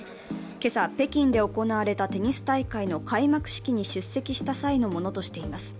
今朝、北京で行われたテニス大会の開幕式に出席した際のものとしています。